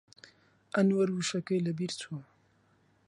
ئەنوەر وشەکەی لەبیر چوو.